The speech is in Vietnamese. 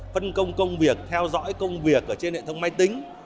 phân công công việc theo dõi công việc ở trên hệ thống máy tính